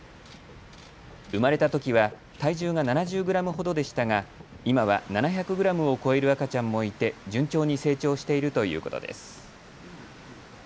生まれたときは体重が７０グラムほどでしたが今は７００グラムを超える赤ちゃんもいて順調に成長しているということです。